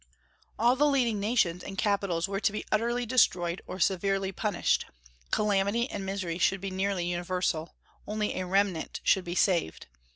All the leading nations and capitals were to be utterly destroyed or severely punished; calamity and misery should be nearly universal; only "a remnant should be saved."